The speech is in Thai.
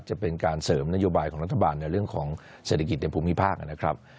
จะเป็นการเสริมนโยบายของรัฐบาลในเรื่องของเศรษฐกิจในภูมิภาคนะครับ